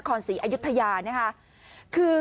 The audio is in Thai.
กลุ่มหนึ่งก็คือ